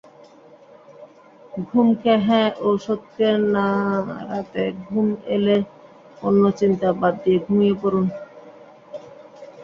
ঘুমকে হ্যাঁ ওষুধকে নারাতে ঘুম এলে অন্য চিন্তা বাদ দিয়ে ঘুমিয়ে পড়ুন।